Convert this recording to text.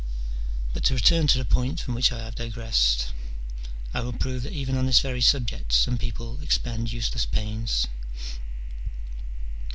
But to return to the point from which I have digressed, I will prove that even on this very subject some people expend nseless pains.